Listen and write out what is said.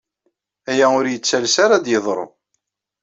Aya ur yettales ara ad d-yeḍru.